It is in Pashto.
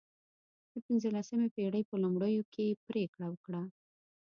د پنځلسمې پېړۍ په لومړیو کې پرېکړه وکړه.